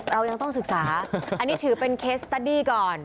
เรายังต้องศึกษาอันนี้ถือเป็นเคสตาดี้ก่อน